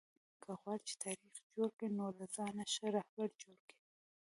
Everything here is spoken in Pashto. که غواړى، چي تاریخ جوړ کى؛ نو له ځانه ښه راهبر جوړ کئ!